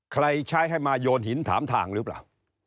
ใช้ให้มาโยนหินถามทางหรือเปล่า